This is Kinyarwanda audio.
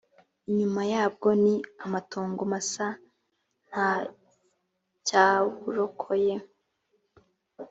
inyuma yabwo ni amatongo masa nta cyaburokoye